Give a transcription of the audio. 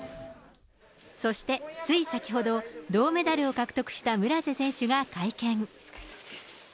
そして、つい先ほど、銅メダルを獲得した村瀬選手が会見。